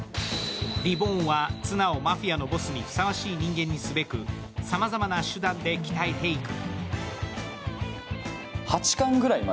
リボーンはツナをマフィアのボスにふさわしい人間にすべくさまざまな手段で鍛えていく。